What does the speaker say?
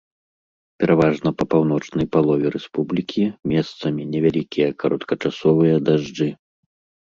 Пераважна па паўночнай палове рэспублікі месцамі невялікія кароткачасовыя дажджы.